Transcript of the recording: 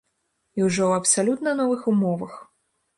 І ўжо ў абсалютна новых умовах.